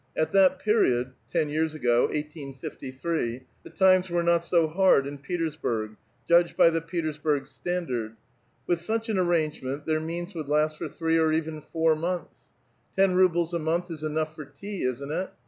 At that period — t.'ii u»iirs a<jo ^^1H;>;{) — the times were not so hard in lVtcT8hurg, judged by tlie Petersburg standard. With such an nrrangenient, their means would last for three or even four mouths. Ten rubles a month is enough for tea, isn't it?